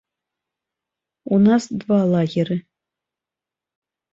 У нас два лагеры.